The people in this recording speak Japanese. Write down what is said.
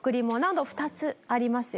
あと２つありますよね。